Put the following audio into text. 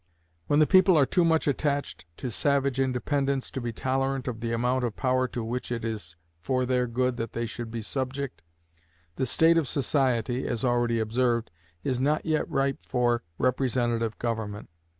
When the people are too much attached to savage independence to be tolerant of the amount of power to which it is for their good that they should be subject, the state of society (as already observed) is not yet ripe for representative government.